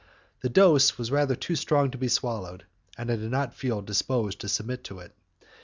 The dose was rather too strong to be swallowed, and I did not feel disposed to submit to it.